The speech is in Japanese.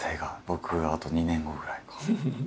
僕あと２年後ぐらいか。